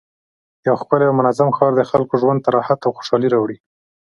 یو ښکلی او منظم ښار د خلکو ژوند ته راحت او خوشحالي راوړي